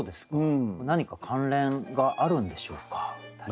何か関連があるんでしょうか？